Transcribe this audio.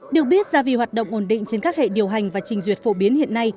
được biết gia vi hoạt động ổn định trên các hệ điều hành và trình duyệt phổ biến hiện nay